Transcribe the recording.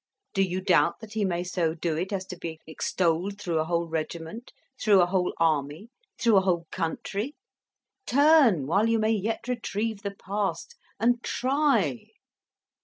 Do you doubt that he may so do it as to be extolled through a whole regiment, through a whole army, through a whole country? Turn while you may yet retrieve the past, and try."